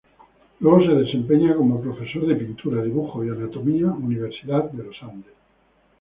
Luego se desempeña como profesor de Pintura, Dibujo y Anatomía, Universidad de los Andes.